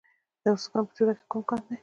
د ارزګان په چوره کې کوم کان دی؟